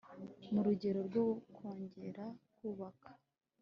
mu rugendo rwo kongera kubaka